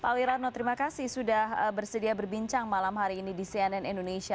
pak wiranto terima kasih sudah bersedia berbincang malam hari ini di cnn indonesia